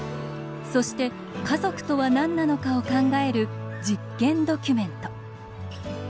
そして「家族」とはなんなのかを考える実験ドキュメント。